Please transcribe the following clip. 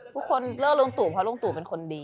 ทุกคนเลิกลุงตู่เพราะลุงตู่เป็นคนดี